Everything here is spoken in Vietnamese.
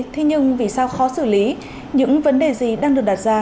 thế nhưng vì sao khó xử lý những vấn đề gì đang được đặt ra